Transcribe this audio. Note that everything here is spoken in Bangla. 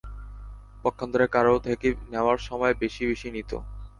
পক্ষান্তরে কারও থেকে নেওয়ার সময় বেশি বেশি নিত।